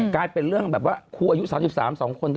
กลายเป็นเรื่องแบบว่าครูอายุ๓๓๒คน